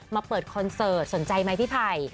มาเปิดคอนเสิร์ตสนใจไหมพี่ไผ่